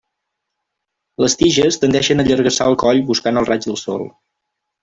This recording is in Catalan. Les tiges tendeixen a allargassar el coll buscant el raig del sol.